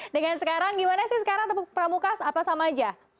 dengan sekarang gimana sih sekarang tepuk pramuka apa sama aja